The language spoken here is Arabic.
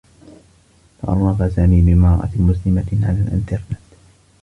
تعرّف سامي بامرأة مسلمة على الانترنت.